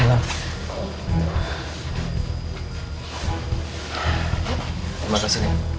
terima kasih nek